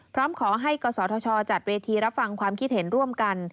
พร้อมขอให้กศธชจัดเวทีรับฟังความคิดเห็นร่วมกัน